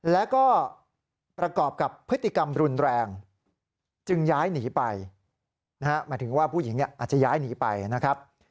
แล้วก็ประกอบกับพฤติกรรมรุนแรงจึงย้ายหนีไปนะฮะหมายถึงว่าผู้หญิงอาจจะย้ายหนีไปนะครับ